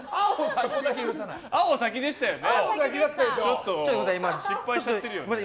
青、先でしたよね。